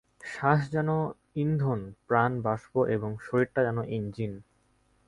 শ্বাস যেন ইন্ধন, প্রাণ বাষ্প এবং শরীরটা যেন ইঞ্জিন।